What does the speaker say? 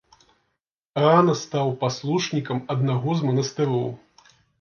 Рана стаў паслушнікам аднаго з манастыроў.